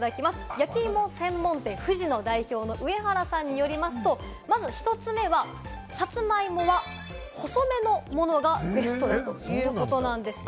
焼き芋専門店・ふじの代表の上原さんによりますと、まず１つ目は、さつまいもは細めのものがベストだということなんです。